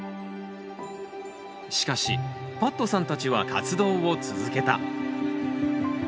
しかしパットさんたちは活動を続けた。